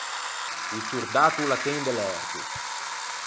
O sordatto o l’attende l’erco.